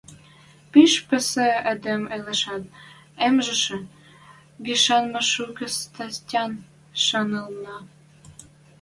Пиш пӹсӹ эдем ылешӓт, яммыжы гишӓн мӓ шукы статян шанылынна.